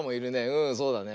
うんそうだね。